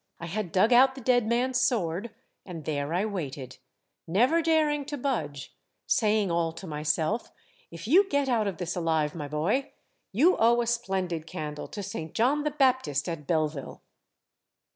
I had dug out the dead man's sword, and there I waited, never daring to budge, saying all to myself; ' If you get out of this alive, my boy, you owe a splendid candle to St. John the Baptist at Belleville